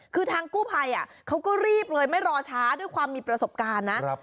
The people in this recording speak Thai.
คือทางกู้ภัยเขาก็รีบเลยไม่รอช้าด้วยความมีประสบการณ์นะ